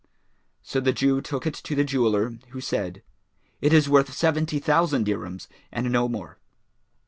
So the Jew took it to the jeweller, who said, "It is worth seventy thousand dirhams and no more."